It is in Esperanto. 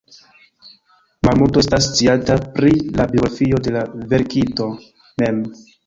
Malmulto estas sciata pri la biografio de la verkinto mem.